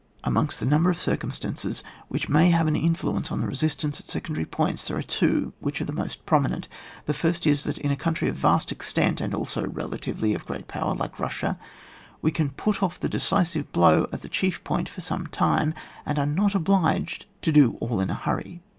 Amongst the number of circumstances which may have an influence on the resistance at secondary points, there are two which are the most prominent. The flrst is : that in a country of vast extent, and also relatively of great power, like Bussia, we can put off the decisive blow at the chief point for some time, and are not obliged to do all in a hurry.